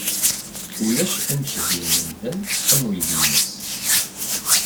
Ulac amekdi n umdan am uydi-ines